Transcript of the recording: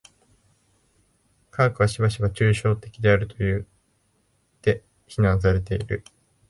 科学はしばしば抽象的であるといって非難されている。